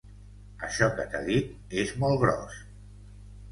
Això que t'ha dit és molt gros.